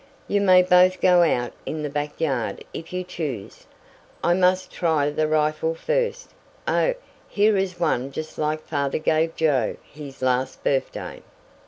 "You may both go out in the back yard if you choose. I must try the rifle first oh, here is one just like father gave Joe his last birthday.